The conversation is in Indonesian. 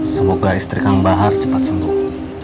semoga istri kang bahar cepat sembuh